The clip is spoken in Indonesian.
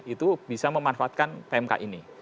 itu bisa memanfaatkan pmk ini